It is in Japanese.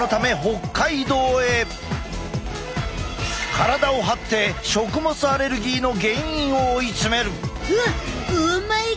体を張って食物アレルギーの原因を追い詰める！